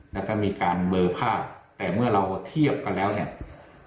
แล้วก็มีการเบอร์ภาพแต่เมื่อเราเทียบกันแล้วเนี่ย